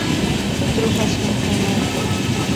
Trufa siempre negra.